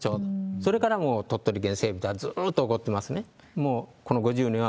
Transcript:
それからも鳥取県西部ではずっと起こってますね。